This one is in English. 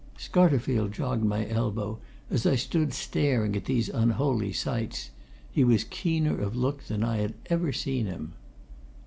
Scarterfield jogged my elbow as I stood staring at these unholy sights. He was keener of look than I had ever seen him.